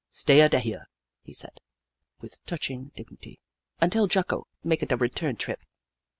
" Staya da here," he said, with touching dig nity, " until Jocko maka da return trip.